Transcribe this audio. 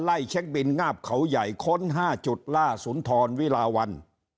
เช็คบินงาบเขาใหญ่ค้น๕จุดล่าสุนทรวิลาวัน